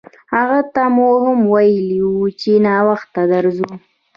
هغه ته مو هم ویلي وو چې ناوخته درځو.